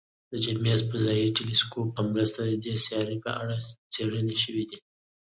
د جیمز فضايي ټیلسکوپ په مرسته د دې سیارې په اړه څېړنې شوي دي.